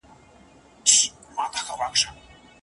څو کوتري یې وې ښکار لره روزلي